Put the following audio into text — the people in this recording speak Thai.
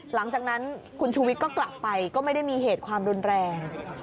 หลังจากนั้นคุณชูวิทย์ก็กลับไปก็ไม่ได้มีเหตุความรุนแรง